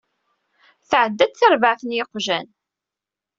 Tɛedda-d terbaɛt n yiqjan.